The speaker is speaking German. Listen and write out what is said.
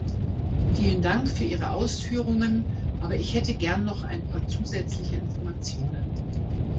Vielen Dank für Ihre Ausführungen, aber ich hätte gern noch ein paar zusätzliche Informationen.